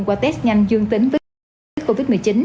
qua test nhanh dương tính với covid một mươi chín